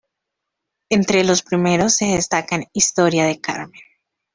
Entre los primeros se destacan "Historia de Carmen.